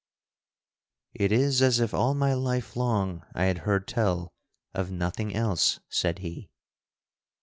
"It is as if all my life long I had heard tell of nothing else," said he.